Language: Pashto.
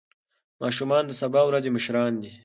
ماشومان د سبا ورځې مشران دي.